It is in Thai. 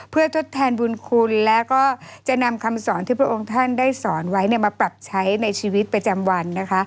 เพื่อทดแทนบุญคุณแล้วก็จะนำคำสอนที่พระองค์ท่านได้สอนไว้มาปรับใช้ในชีวิตประจำวันนะคะ